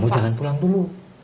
kamu jangan pulang dulu